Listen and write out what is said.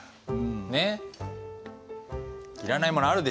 ねっ。